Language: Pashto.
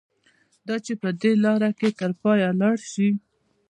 دا چې په دې لاره کې تر پایه لاړ شي.